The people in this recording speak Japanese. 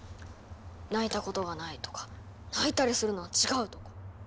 泣いたことがないとか泣いたりするのは違うとか。